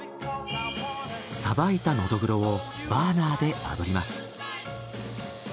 さばいたノドグロをバーナーで炙ります。